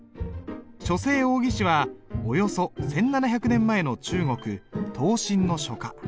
書聖王羲之はおよそ１，７００年前の中国東晋の書家。